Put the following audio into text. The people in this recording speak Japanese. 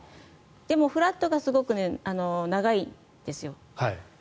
でもフラットがすごく長いんですよ。